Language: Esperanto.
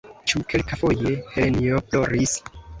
Ĉu kelkafoje Helenjo ploris?